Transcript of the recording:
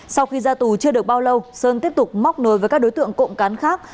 sau khi ra tù chưa được bao lâu sơn tiếp tục móc nối với các đối tượng cộng cán khác